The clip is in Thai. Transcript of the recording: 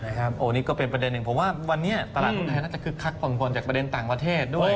โอ้โหนี่ก็เป็นประเด็นหนึ่งเพราะว่าวันนี้ตลาดทุนให้น่าจะคือคลักบ่นจากประเด็นต่างประเทศด้วย